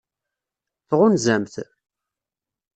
Tɣunzam-t?